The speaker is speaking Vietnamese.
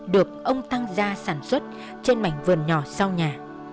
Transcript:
được ông tăng gia sản xuất trên mảnh vườn nhỏ sau nhà